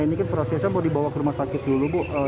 ini kan prosesnya mau dibawa ke rumah sakit dulu bu